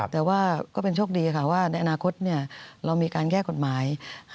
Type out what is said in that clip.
แต่ว่าก็เป็นโชคดีค่ะว่าในอนาคตเรามีการแก้กฎหมาย